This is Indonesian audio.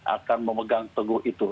akan memegang teguh itu